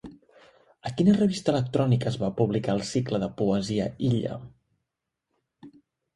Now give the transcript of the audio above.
A quina revista electrònica es va publicar el cicle de poesia Illa?